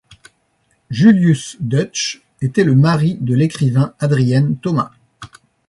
Julius Deutsch était le mari de l'écrivain Adrienne Thomas.